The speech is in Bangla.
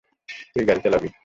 তুই গাড়ি চালাবি।